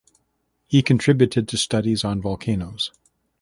He contributed to studies on volcanoes.